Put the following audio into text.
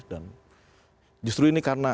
dan justru ini karena sri